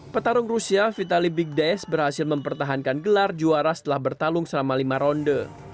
petarung rusia vitaly bigdez berhasil mempertahankan gelar juara setelah bertalung selama lima ronde